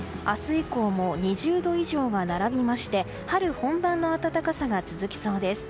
以降も２０度以上が並びまして春本番の暖かさが続きそうです。